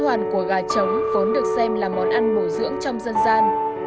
kê gà hay còn gọi là ngọc kê là tinh hoàn của gà trống vốn được xem là món ăn bổ dưỡng trong dân gian